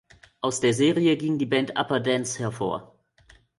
Aus der Serie ging die Band Upa Dance hervor.